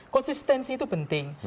konsistensi itu penting